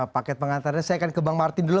paket pengantarnya saya akan ke bang martin dulu